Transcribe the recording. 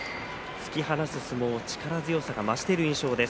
突き放す相撲力強さが増している印象です。